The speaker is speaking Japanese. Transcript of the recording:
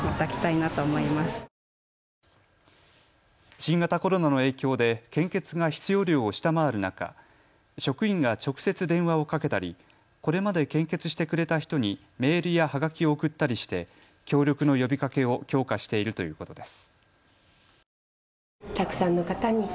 新型コロナの影響で献血が必要量を下回る中、職員が直接電話をかけたりこれまで献血してくれた人にメールやはがきを送ったりして協力の呼びかけを強化しているということです。